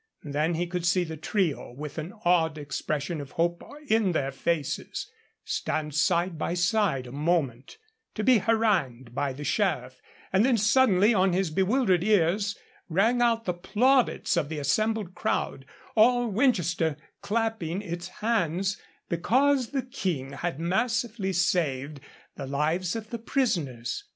Then he could see the trio, with an odd expression of hope in their faces, stand side by side a moment, to be harangued by the Sheriff, and then suddenly on his bewildered ears rang out the plaudits of the assembled crowd, all Winchester clapping its hands because the King had mercifully saved the lives of the prisoners.